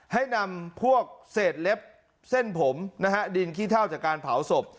ให้นำพวกเศษเล็บเส้นผมนะฮะดินขี้เท่าจากการเผาศพ